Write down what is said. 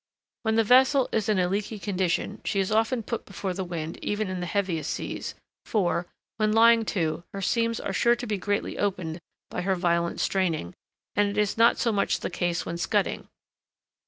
When the vessel is in a leaky condition she is often put before the wind even in the heaviest seas; for, when lying to, her seams are sure to be greatly opened by her violent straining, and it is not so much the case when scudding.